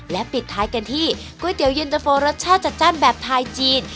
และปิดท้ายกันที่ก๋วยเตี๋ยวเย็นตะโฟรสชาติจัดจ้านแบบไทยจีน